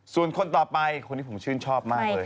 ส่วนคนต่อไปคนที่ผมชื่นชอบมากเลย